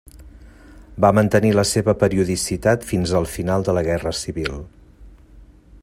Va mantenir la seva periodicitat fins al final de la Guerra Civil.